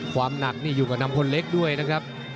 ความหนักนี่อยู่กับนำคนเล็กด้วยนะครับ